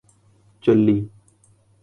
چلی